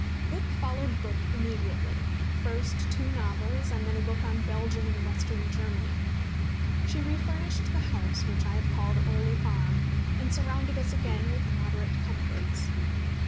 Book followed book immediately, first two novels, and then a book on Belgium and Western Germany. She refurnished the house which I have called Orley Farm, and surrounded us again with moderate comforts.